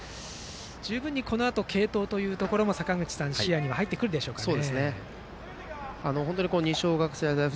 十分にこのあと継投というところも視野に入ってくるでしょうかね。